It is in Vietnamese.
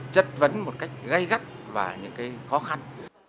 chất vấn một cách gây gắt vào những cái khó khăn